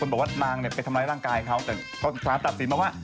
ก็เลยหายไปแล้วนะครับฝาตรัสทางตัดสินนะฮะ